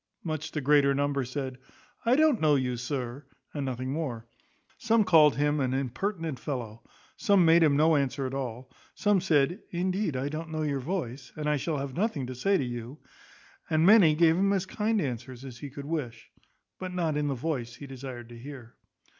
Much the greater number said, I don't know you, sir, and nothing more. Some called him an impertinent fellow; some made him no answer at all; some said, Indeed I don't know your voice, and I shall have nothing to say to you; and many gave him as kind answers as he could wish, but not in the voice he desired to hear.